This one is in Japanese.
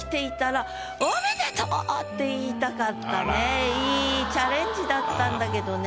ここの良いチャレンジだったんだけどね。